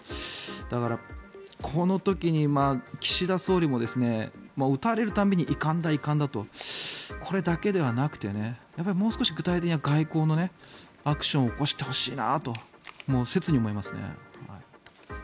だから、この時に岸田総理も撃たれる度に遺憾だ、遺憾だとこれだけではなくてもう少し具体的な外交のアクションを起こしてほしいなと切に思いますね。